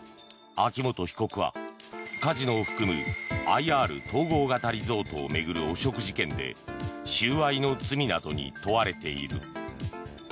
秋元被告はカジノを含むＩＲ・統合型リゾートを巡る汚職事件で収賄の罪などに問われている。